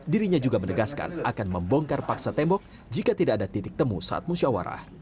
dirinya juga menegaskan akan membongkar paksa tembok jika tidak ada titik temu saat musyawarah